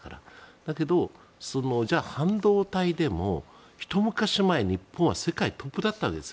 だけど、じゃあ半導体でもひと昔前、日本は世界トップだったんです。